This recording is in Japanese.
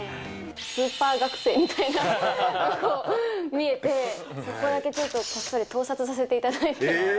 スーパー学生みたいに見えて、そこだけちょっとこっそり盗撮させていただいて。